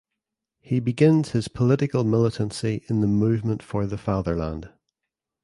He begins his political militancy in the Movement for the Fatherland.